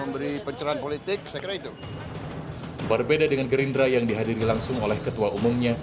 berbeda dengan gerindra yang dihadiri langsung oleh ketua umumnya